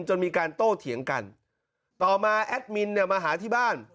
จนมีการโต้เถียงกันต่อมาแอดมินเนี่ยมาหาที่บ้าน